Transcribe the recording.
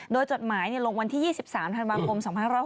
โดยจดหมายลงวันที่๒๓ธันวาคม๒๕๖๖